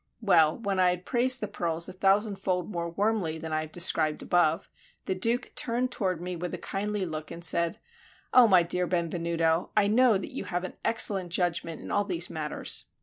Well, when I had praised the pearls a thousandfold more warmly than I have described above, the Duke turned toward me with a kindly look, and said, "O my dear Benvenuto, I know that you have an excellent judgment in all these matters.